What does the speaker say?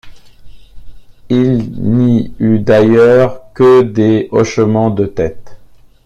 Il n’y eut d’ailleurs que des hochements de tête.